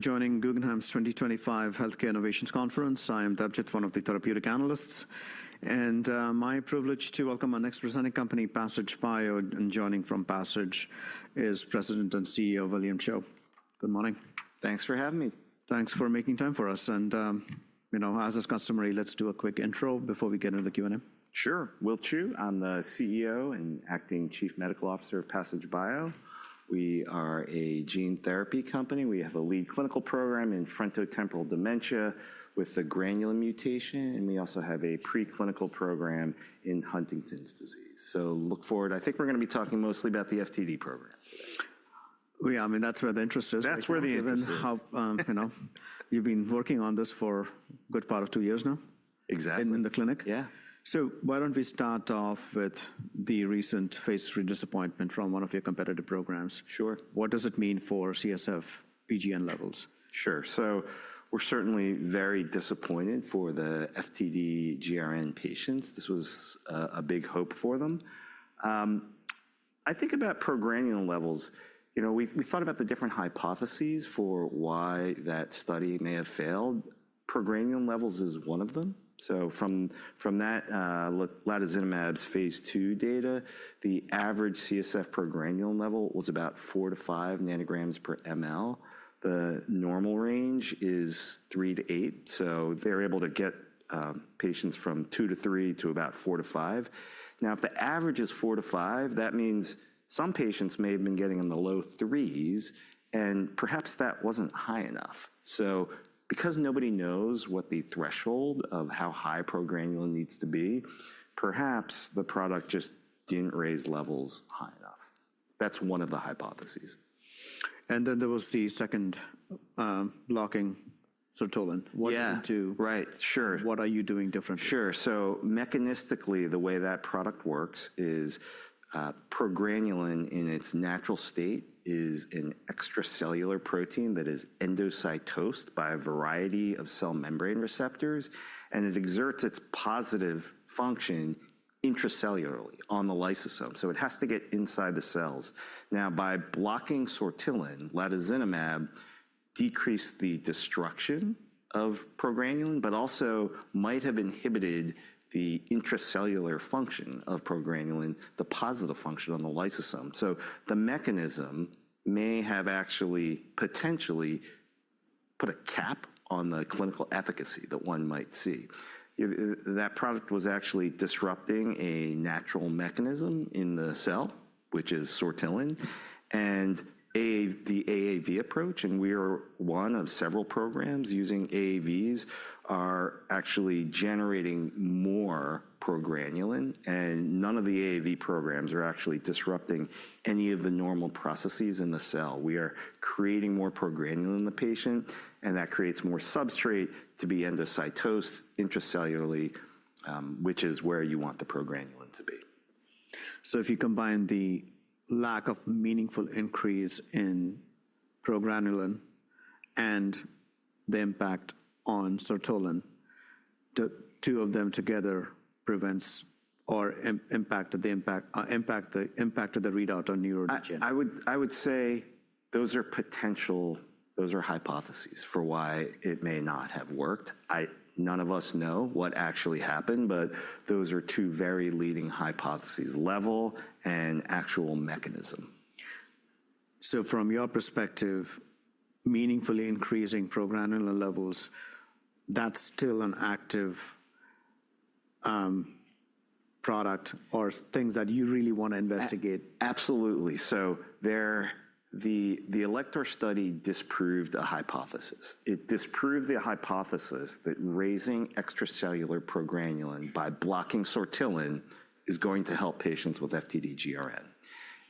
Joining Guggenheim's 2025 Healthcare Innovations Conference. I am Debjit, one of the therapeutic analysts, and my privilege to welcome our next presenting company, Passage Bio, and joining from Passage is President and CEO William Chou. Good morning. Thanks for having me. Thanks for making time for us, and, you know, as is customary, let's do a quick intro before we get into the Q&A. Sure. Will Chou. I'm the CEO and Acting Chief Medical Officer of Passage Bio. We are a gene therapy company. We have a lead clinical program in frontotemporal dementia with the granulin mutation, and we also have a preclinical program in Huntington's disease, so look forward. I think we're going to be talking mostly about the FTD program today. Yeah, I mean, that's where the interest is. That's where the interest is. You know, you've been working on this for a good part of two years now. Exactly. In the clinic. Yeah. So why don't we start off with the recent phase III disappointment from one of your competitive programs? Sure. What does it mean for CSF PGRN levels? Sure, so we're certainly very disappointed for the FTD-GRN patients. This was a big hope for them. I think about progranulin levels. You know, we thought about the different hypotheses for why that study may have failed. Progranulin levels is one of them, so from that, latozinemab's phase II data, the average CSF progranulin level was about four to five nanograms per mL. The normal range is three to eight, so they're able to get patients from two to three to about four to five. Now, if the average is four to five, that means some patients may have been getting in the low threes, and perhaps that wasn't high enough, so because nobody knows what the threshold of how high progranulin needs to be, perhaps the product just didn't raise levels high enough. That's one of the hypotheses. There was the second blocking sortilin. What is it to? What are you doing differently? Sure. Mechanistically, the way that product works is progranulin in its natural state is an extracellular protein that is endocytosed by a variety of cell membrane receptors, and it exerts its positive function intracellularly on the lysosome. It has to get inside the cells. Now, by blocking sortilin, latozinemab decreased the destruction of progranulin, but also might have inhibited the intracellular function of progranulin, the positive function on the lysosome. The mechanism may have actually potentially put a cap on the clinical efficacy that one might see. That product was actually disrupting a natural mechanism in the cell, which is sortilin. The AAV approach, and we are one of several programs using AAVs, are actually generating more progranulin. None of the AAV programs are actually disrupting any of the normal processes in the cell. We are creating more progranulin in the patient, and that creates more substrate to be endocytosed intracellularly, which is where you want the progranulin to be. So if you combine the lack of meaningful increase in progranulin and the impact on sortilin, the two of them together prevents or impacted the impact of the readout on neurodegeneration. I would say those are potential, those are hypotheses for why it may not have worked. None of us know what actually happened, but those are two very leading hypotheses, level and actual mechanism. So from your perspective, meaningfully increasing progranulin levels, that's still an active product or things that you really want to investigate? Absolutely. So the Alector study disproved a hypothesis. It disproved the hypothesis that raising extracellular progranulin by blocking sortilin is going to help patients with FTD-GRN.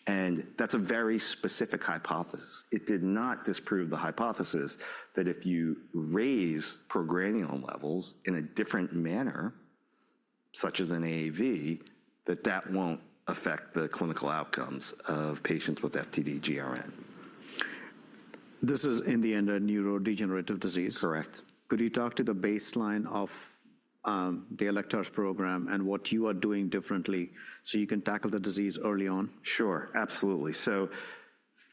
And that's a very specific hypothesis. It did not disprove the hypothesis that if you raise progranulin levels in a different manner, such as an AAV, that that won't affect the clinical outcomes of patients with FTD-GRN. This is in the end a neurodegenerative disease? Correct. Could you talk to the baseline of the Alector program and what you are doing differently so you can tackle the disease early on? Sure. Absolutely. So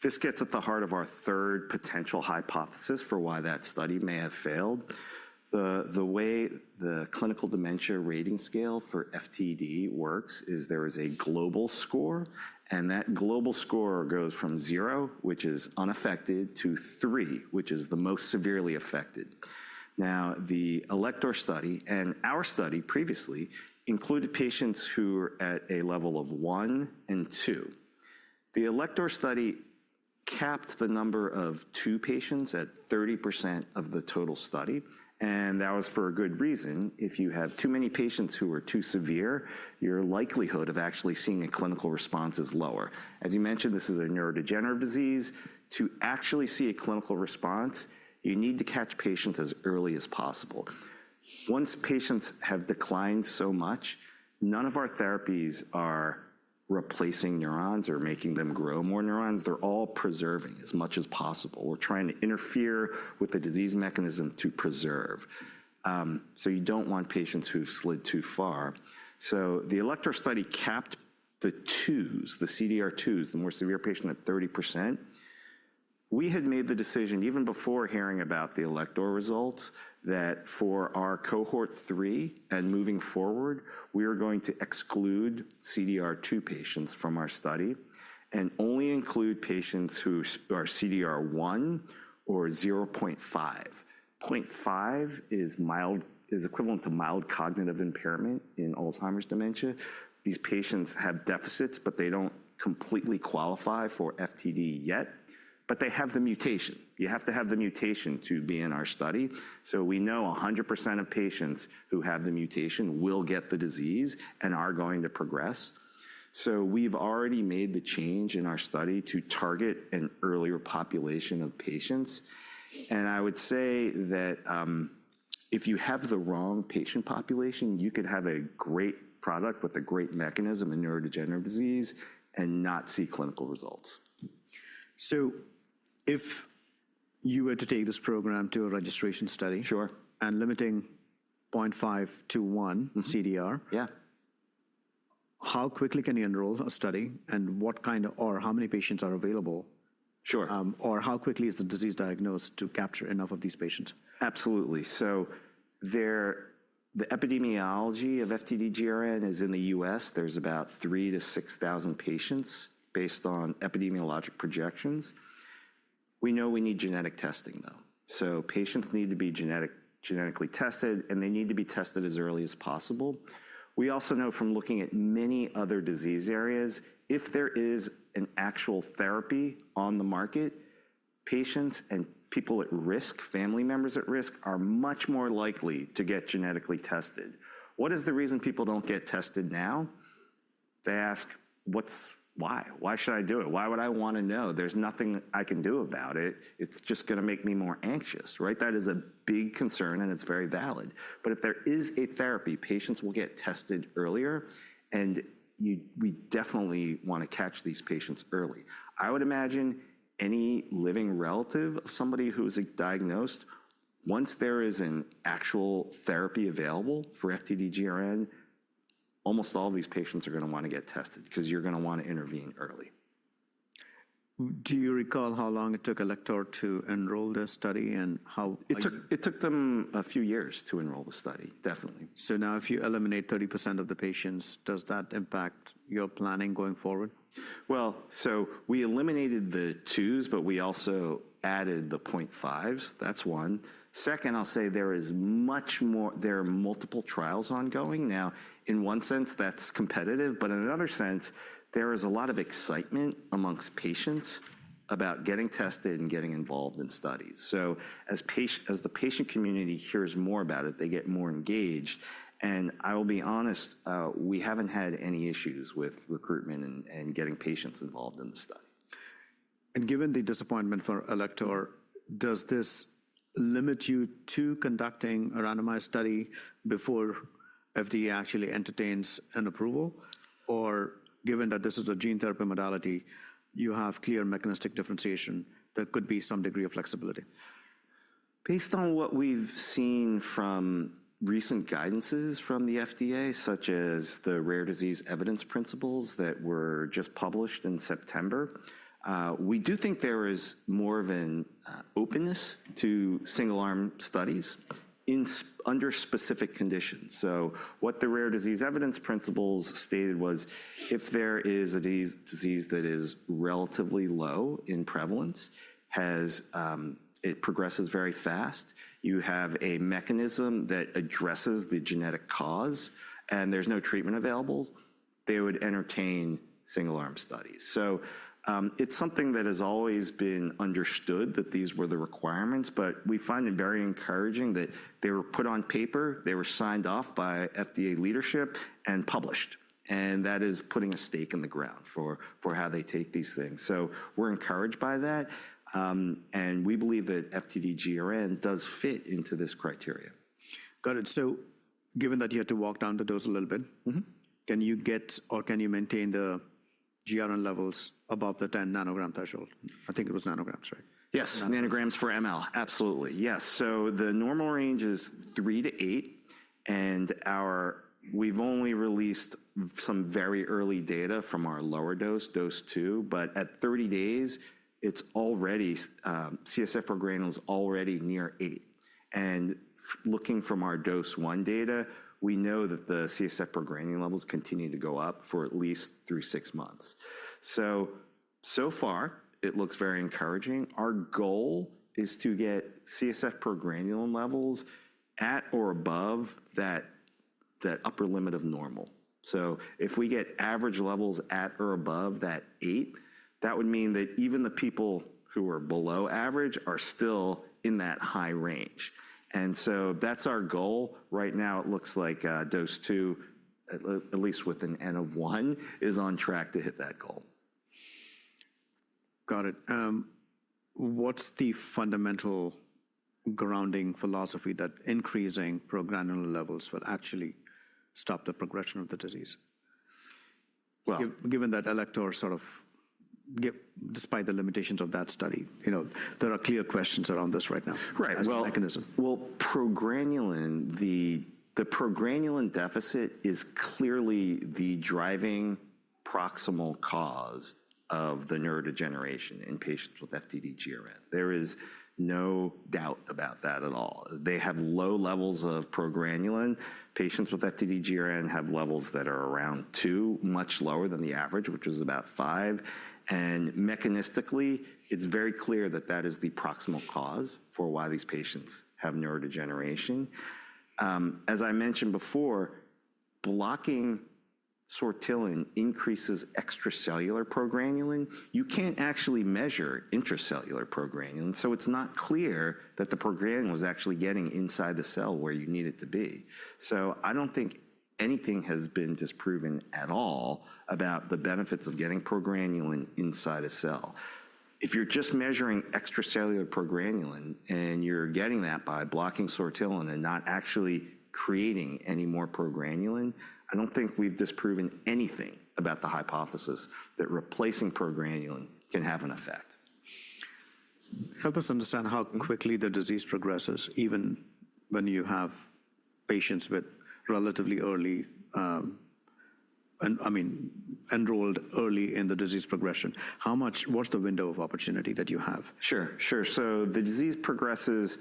this gets at the heart of our third potential hypothesis for why that study may have failed. The way the Clinical Dementia Rating Scale for FTD works is there is a Global score. And that Global score goes from zero, which is unaffected, to three, which is the most severely affected. Now, the Alector study and our study previously included patients who were at a level of one and two. The Alector study capped the number of two patients at 30% of the total study. And that was for a good reason. If you have too many patients who are too severe, your likelihood of actually seeing a clinical response is lower. As you mentioned, this is a neurodegenerative disease. To actually see a clinical response, you need to catch patients as early as possible. Once patients have declined so much, none of our therapies are replacing neurons or making them grow more neurons. They're all preserving as much as possible. We're trying to interfere with the disease mechanism to preserve, so you don't want patients who've slid too far, so the Alector study capped the 2s, the CDR 2s, the more severe patient at 30%. We had made the decision even before hearing about the Alector results that for our cohort 3 and moving forward, we are going to exclude CDR 2 patients from our study and only include patients who are CDR 1 or 0.5. 0.5 is equivalent to mild cognitive impairment in Alzheimer's dementia. These patients have deficits, but they don't completely qualify for FTD yet, but they have the mutation. You have to have the mutation to be in our study. We know 100% of patients who have the mutation will get the disease and are going to progress. We've already made the change in our study to target an earlier population of patients. I would say that if you have the wrong patient population, you could have a great product with a great mechanism in neurodegenerative disease and not see clinical results. So if you were to take this program to a registration study. Limiting 0.5 to one CDR. How quickly can you enroll a study and what kind of, or how many patients are available? Or how quickly is the disease diagnosed to capture enough of these patients? Absolutely. So the epidemiology of FTD-GRN is in the U.S. There's about three to six thousand patients based on epidemiologic projections. We know we need genetic testing, though. So patients need to be genetically tested, and they need to be tested as early as possible. We also know from looking at many other disease areas, if there is an actual therapy on the market, patients and people at risk, family members at risk, are much more likely to get genetically tested. What is the reason people don't get tested now? They ask, what's why? Why should I do it? Why would I want to know? There's nothing I can do about it. It's just going to make me more anxious, right? That is a big concern, and it's very valid. But if there is a therapy, patients will get tested earlier, and we definitely want to catch these patients early. I would imagine any living relative of somebody who is diagnosed, once there is an actual therapy available for FTD-GRN, almost all of these patients are going to want to get tested because you're going to want to intervene early. Do you recall how long it took Alector to enroll the study and how? It took them a few years to enroll the study, definitely. So now if you eliminate 30% of the patients, does that impact your planning going forward? We eliminated the twos, but we also added the 0.5s. That's one. Second, I'll say there is much more; there are multiple trials ongoing. Now, in one sense, that's competitive, but in another sense, there is a lot of excitement among patients about getting tested and getting involved in studies. So as the patient community hears more about it, they get more engaged. And I will be honest, we haven't had any issues with recruitment and getting patients involved in the study. And given the disappointment for Alector, does this limit you to conducting a randomized study before FDA actually entertains an approval? Or given that this is a gene therapy modality, you have clear mechanistic differentiation, there could be some degree of flexibility? Based on what we've seen from recent guidances from the FDA, such as the rare disease evidence principles that were just published in September, we do think there is more of an openness to single-arm studies under specific conditions. So what the rare disease evidence principles stated was if there is a disease that is relatively low in prevalence, it progresses very fast, you have a mechanism that addresses the genetic cause, and there's no treatment available, they would entertain single-arm studies. So it's something that has always been understood that these were the requirements, but we find it very encouraging that they were put on paper, they were signed off by FDA leadership and published. And that is putting a stake in the ground for how they take these things. So we're encouraged by that. And we believe that FTD-GRN does fit into this criteria. Got it. Given that you had to walk down the dose a little bit, can you get or can you maintain the GRN levels above the 10 nanogram threshold? I think it was nanograms, right? Yes. Nanograms per mL. Absolutely. Yes. So the normal range is three to eight. And we've only released some very early data from our lower dose, dose two, but at 30 days, CSF progranulin is already near eight. And looking from our dose one data, we know that the CSF progranulin levels continue to go up for at least three to six months. So far, it looks very encouraging. Our goal is to get CSF progranulin levels at or above that upper limit of normal. So if we get average levels at or above that eight, that would mean that even the people who are below average are still in that high range. And so that's our goal. Right now, it looks like dose two, at least with an N of one, is on track to hit that goal. Got it. What's the fundamental grounding philosophy that increasing progranulin levels will actually stop the progression of the disease? Given that Alector sort of, despite the limitations of that study, there are clear questions around this right now. About the mechanism. Progranulin, the progranulin deficit is clearly the driving proximal cause of the neurodegeneration in patients with FTD-GRN. There is no doubt about that at all. They have low levels of progranulin. Patients with FTD-GRN have levels that are around two, much lower than the average, which was about five, and mechanistically, it's very clear that that is the proximal cause for why these patients have neurodegeneration. As I mentioned before, blocking sortilin increases extracellular progranulin. You can't actually measure intracellular progranulin, so it's not clear that the progranulin was actually getting inside the cell where you need it to be, so I don't think anything has been disproven at all about the benefits of getting progranulin inside a cell. If you're just measuring extracellular progranulin and you're getting that by blocking sortilin and not actually creating any more progranulin, I don't think we've disproven anything about the hypothesis that replacing progranulin can have an effect. Help us understand how quickly the disease progresses, even when you have patients with relatively early, I mean, enrolled early in the disease progression? How much, what's the window of opportunity that you have? Sure, sure. So the disease progresses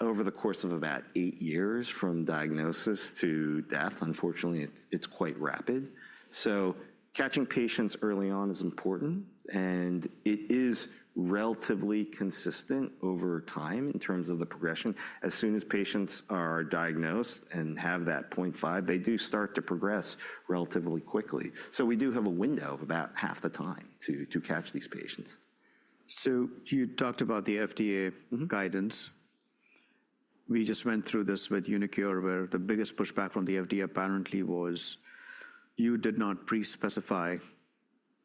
over the course of about eight years from diagnosis to death. Unfortunately, it's quite rapid. So catching patients early on is important. And it is relatively consistent over time in terms of the progression. As soon as patients are diagnosed and have that 0.5, they do start to progress relatively quickly. So we do have a window of about half the time to catch these patients. So you talked about the FDA guidance. We just went through this with uniQure, where the biggest pushback from the FDA apparently was you did not pre-specify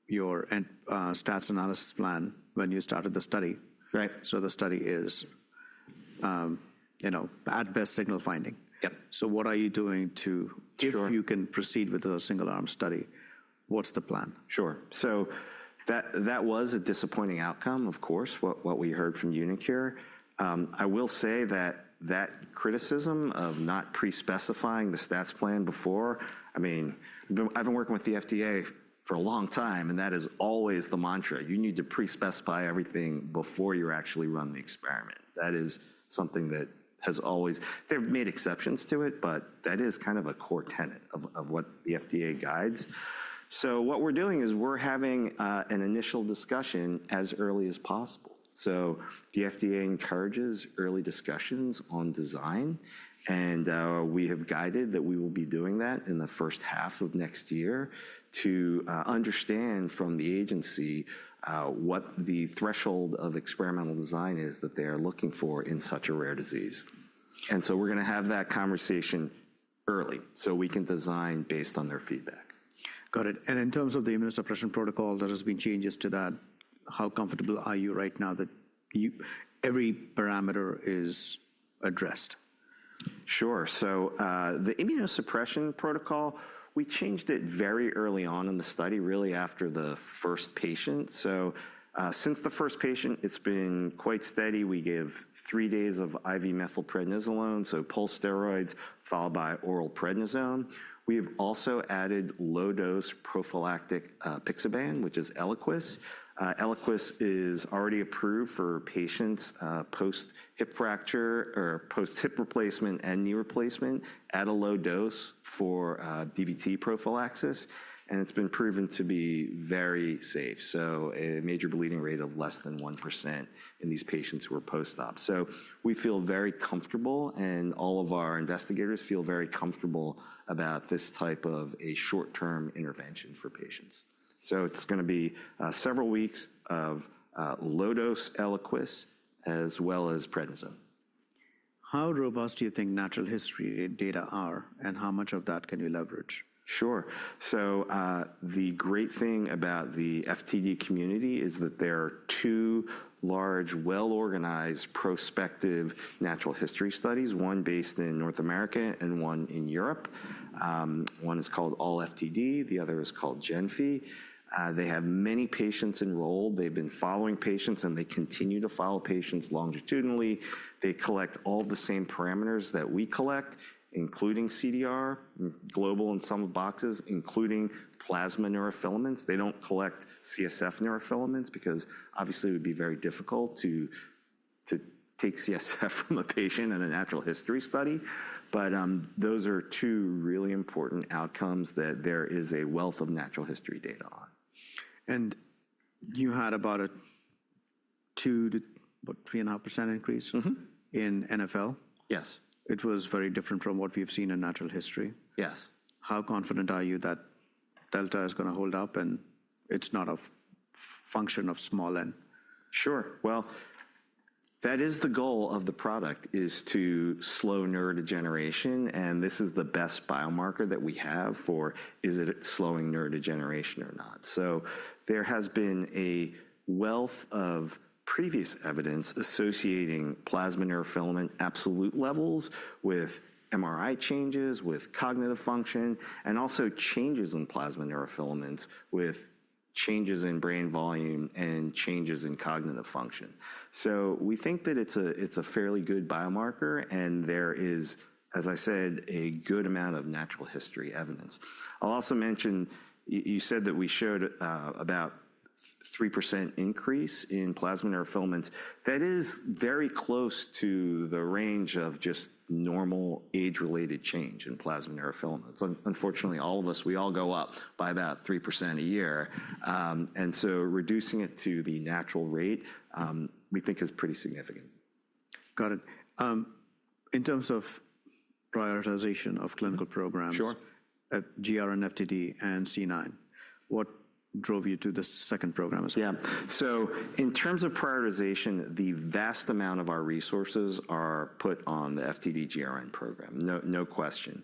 your stats analysis plan when you started the study. The study is, you know, at best, signal finding. So, what are you doing to? If you can proceed with a single-arm study, what's the plan? Sure, so that was a disappointing outcome, of course, what we heard from uniQure. I will say that that criticism of not pre-specifying the stats plan before, I mean, I've been working with the FDA for a long time, and that is always the mantra. You need to pre-specify everything before you actually run the experiment. That is something that has always, there are made exceptions to it, but that is kind of a core tenet of what the FDA guides. So what we're doing is we're having an initial discussion as early as possible. So the FDA encourages early discussions on design, and we have guided that we will be doing that in the first half of next year to understand from the agency what the threshold of experimental design is that they are looking for in such a rare disease. We're going to have that conversation early so we can design based on their feedback. Got it. In terms of the immunosuppression protocol, there have been changes to that. How comfortable are you right now that every parameter is addressed? Sure. So the immunosuppression protocol, we changed it very early on in the study, really after the first patient. So since the first patient, it's been quite steady. We give three days of IV methylprednisolone, so pulse steroids, followed by oral prednisone. We have also added low-dose prophylactic apixaban, which is Eliquis. Eliquis is already approved for patients post-hip fracture or post-hip replacement and knee replacement at a low dose for DVT prophylaxis. And it's been proven to be very safe. So a major bleeding rate of less than 1% in these patients who are post-op. So we feel very comfortable, and all of our investigators feel very comfortable about this type of a short-term intervention for patients. So it's going to be several weeks of low-dose Eliquis as well as prednisone. How robust do you think natural history data are, and how much of that can you leverage? Sure. So the great thing about the FTD community is that there are two large, well-organized, prospective natural history studies, one based in North America and one in Europe. One is called ALLFTD. The other is called GENFI. They have many patients enrolled. They've been following patients, and they continue to follow patients longitudinally. They collect all the same parameters that we collect, including CDR, Global and Sum of Boxes, including plasma neurofilaments. They don't collect CSF neurofilaments because obviously it would be very difficult to take CSF from a patient in a natural history study. But those are two really important outcomes that there is a wealth of natural history data on. You had about a 2%-3.5% increase in NfL? Yes. It was very different from what we've seen in natural history. Yes. How confident are you that delta is going to hold up and it's not a function of small N? Sure. Well, that is the goal of the product, is to slow neurodegeneration. And this is the best biomarker that we have for is it slowing neurodegeneration or not. So there has been a wealth of previous evidence associating plasma neurofilament absolute levels with MRI changes, with cognitive function, and also changes in plasma neurofilaments with changes in brain volume and changes in cognitive function. So we think that it's a fairly good biomarker. And there is, as I said, a good amount of natural history evidence. I'll also mention, you said that we showed about a 3% increase in plasma neurofilaments. That is very close to the range of just normal age-related change in plasma neurofilaments. Unfortunately, all of us, we all go up by about 3% a year. And so reducing it to the natural rate, we think is pretty significant. Got it. In terms of prioritization of clinical programs. GRN, FTD, and C9. What drove you to the second program? Yeah. So in terms of prioritization, the vast amount of our resources are put on the FTD-GRN program, no question.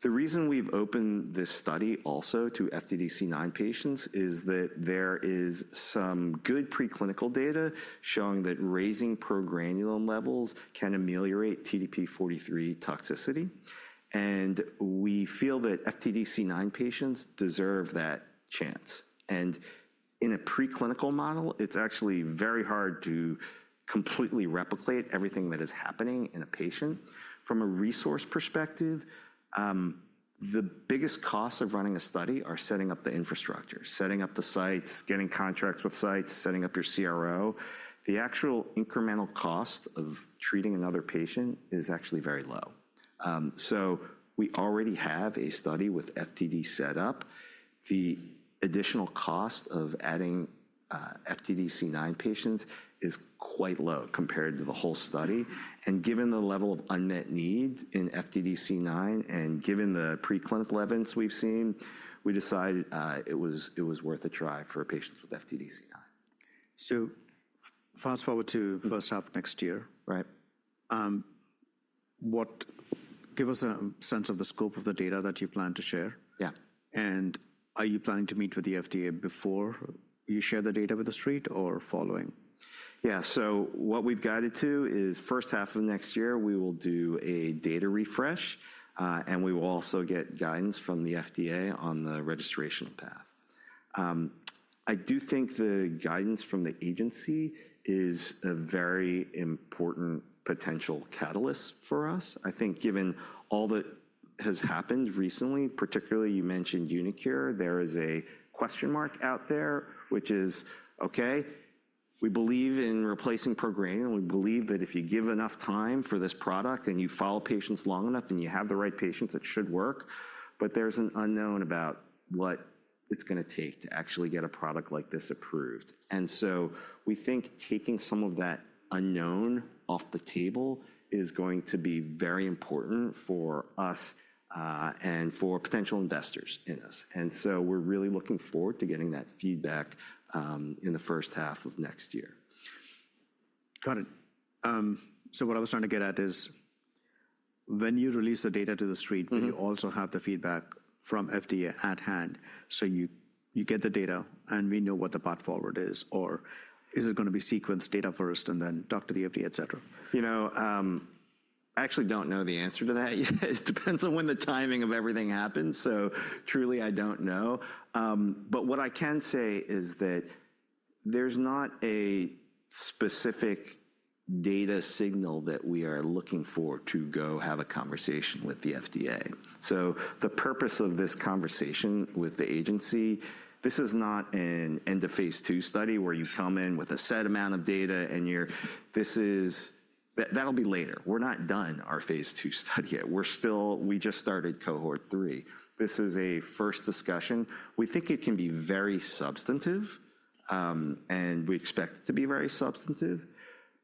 The reason we've opened this study also to FTD-C9 patients is that there is some good preclinical data showing that raising progranulin levels can ameliorate TDP-43 toxicity. And we feel that FTD-C9 patients deserve that chance. And in a preclinical model, it's actually very hard to completely replicate everything that is happening in a patient. From a resource perspective, the biggest costs of running a study are setting up the infrastructure, setting up the sites, getting contracts with sites, setting up your CRO. The actual incremental cost of treating another patient is actually very low. So we already have a study with FTD set up. The additional cost of adding FTD-C9 patients is quite low compared to the whole study. Given the level of unmet need in FTD-C9 and given the preclinical evidence we've seen, we decided it was worth a try for patients with FTD-C9. Fast forward to phase I-B top-line next year. Give us a sense of the scope of the data that you plan to share? Are you planning to meet with the FDA before you share the data with the street or following? Yeah. So what we've guided to is first half of next year, we will do a data refresh. And we will also get guidance from the FDA on the registration path. I do think the guidance from the agency is a very important potential catalyst for us. I think given all that has happened recently, particularly you mentioned uniQure, there is a question mark out there, which is, okay, we believe in replacing progranulin. We believe that if you give enough time for this product and you follow patients long enough and you have the right patients, it should work. But there's an unknown about what it's going to take to actually get a product like this approved. And so we think taking some of that unknown off the table is going to be very important for us and for potential investors in us. And so we're really looking forward to getting that feedback in the first half of next year. Got it. So what I was trying to get at is when you release the data to the street, you also have the feedback from FDA at hand. So you get the data and we know what the path forward is. Or is it going to be sequence data first and then talk to the FDA, et cetera? You know, I actually don't know the answer to that yet. It depends on when the timing of everything happens. So truly, I don't know. But what I can say is that there's not a specific data signal that we are looking for to go have a conversation with the FDA. So the purpose of this conversation with the agency, this is not an end of phase II study where you come in with a set amount of data and you're, this is, that'll be later. We're not done our phase II study yet. We're still, we just started cohort three. This is a first discussion. We think it can be very substantive. And we expect it to be very substantive.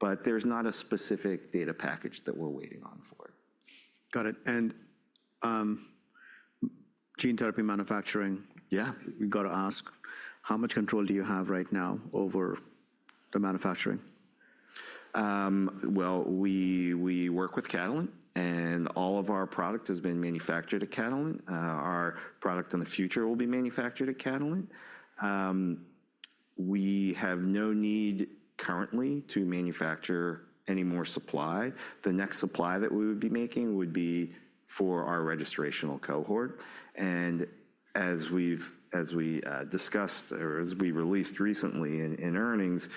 But there's not a specific data package that we're waiting on for. Got it, and gene therapy manufacturing. We've got to ask, how much control do you have right now over the manufacturing? We work with Catalent. All of our product has been manufactured at Catalent. Our product in the future will be manufactured at Catalent. We have no need currently to manufacture any more supply. The next supply that we would be making would be for our registrational cohort. As we've discussed or as we released recently in earnings,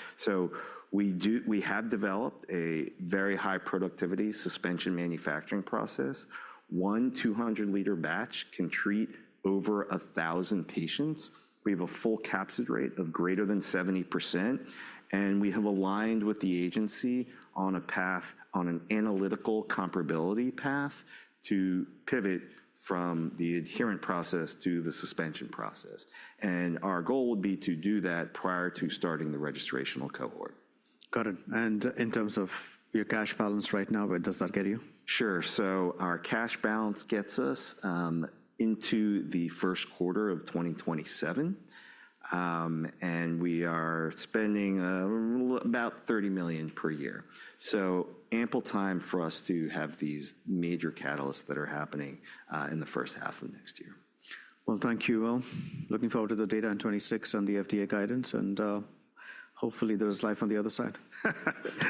we have developed a very high productivity suspension manufacturing process. One 200-liter batch can treat over 1,000 patients. We have a full capsid rate of greater than 70%. We have aligned with the agency on a path, on an analytical comparability path to pivot from the adherent process to the suspension process. Our goal would be to do that prior to starting the registrational cohort. Got it. And in terms of your cash balance right now, where does that get you? Sure. So our cash balance gets us into the first quarter of 2027. And we are spending about $30 million per year. So ample time for us to have these major catalysts that are happening in the first half of next year. Thank you all. Looking forward to the data on 2026 on the FDA guidance, and hopefully there's life on the other side.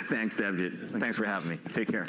Thanks, Debjit. Thanks for having me. Take care.